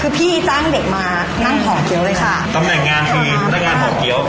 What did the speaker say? คือพี่จ้างเด็กมานั่งห่อเกี้ยวเลยค่ะตำแหน่งงานคือพนักงานห่อเกี้ยว